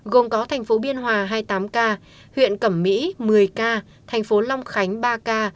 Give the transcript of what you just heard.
gồm có thành phố biên hòa hai mươi tám ca huyện cẩm mỹ một mươi ca thành phố long khánh ba ca